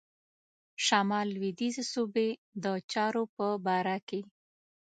شمال لوېدیځي صوبې د چارو په باره کې.